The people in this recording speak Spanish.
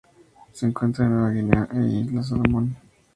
Se encuentra en Nueva Guinea e islas Salomón.